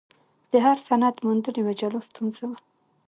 د هر سند موندل یوه جلا ستونزه وه.